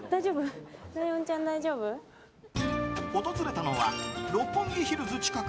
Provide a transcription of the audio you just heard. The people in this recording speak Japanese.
訪れたのは六本木ヒルズ近く。